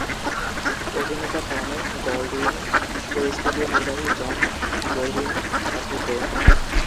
অভিনেতা Tony Goldwyn ও studio নির্বাহী জন গোল্ডউইন তার পুত্র।